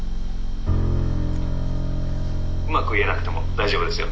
「うまく言えなくても大丈夫ですよ」。